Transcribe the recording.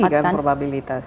cukup tinggi kan probabilitas